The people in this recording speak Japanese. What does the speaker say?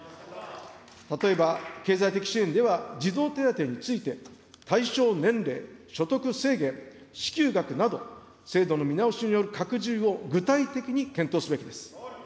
例えば、経済的支援では、児童手当について対象年齢、所得制限、支給額など、制度の見直しによる拡充を具体的に検討すべきです。